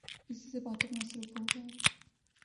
کسی سے باتوں میں مصروف ہوگیا